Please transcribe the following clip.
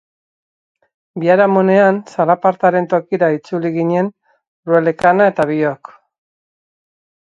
Biharamunean, zalapartaren tokira itzuli ginen Rwelekana eta biok.